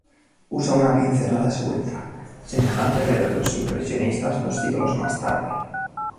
Usa una pincelada suelta, semejante a la de los impresionistas dos siglos más tarde.